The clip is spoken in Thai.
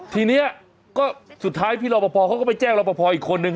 ทีนี้ก็สุดท้ายพี่รอปภเขาก็ไปแจ้งรอปภอีกคนนึง